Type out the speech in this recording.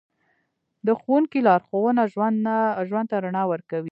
د ښوونکي لارښوونه ژوند ته رڼا ورکوي.